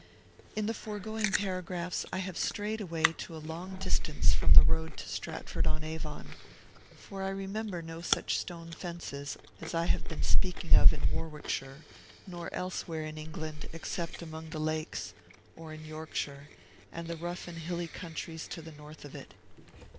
In the foregoing paragraphs I have strayed away to a long distance from the road to Stratford on Avon; for I remember no such stone fences as I have been speaking of in Warwickshire, nor elsewhere in England, except among the Lakes, or in Yorkshire, and the rough and hilly countries to the north of it.